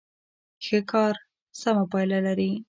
ښه کار سمه پایله لري.